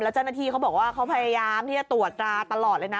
เจ้าหน้าที่เขาบอกว่าเขาพยายามที่จะตรวจตราตลอดเลยนะ